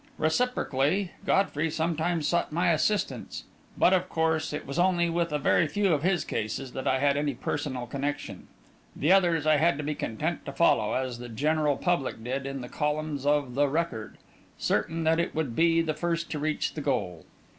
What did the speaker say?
Reciprocally, Godfrey sometimes sought my assistance; but, of course, it was only with a very few of his cases that I had any personal connection. The others I had to be content to follow, as the general public did, in the columns of the Record, certain that it would be the first to reach the goal.